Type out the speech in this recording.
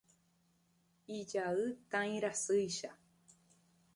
Ijay tãi rasýicha.